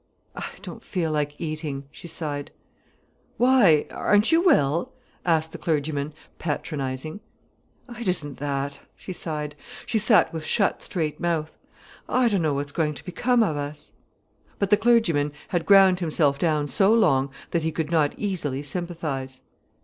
"I don't feel like eating," she sighed. "Why—aren't you well?" asked the clergyman, patronizing. "It isn't that," she sighed. She sat with shut, straight mouth. "I don't know what's going to become of us." But the clergyman had ground himself down so long, that he could not easily sympathize.